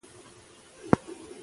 شعر د هنري ارزښتونو څرګندونه ده.